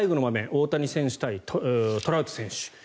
大谷選手対トラウト選手。